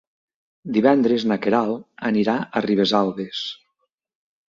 Divendres na Queralt anirà a Ribesalbes.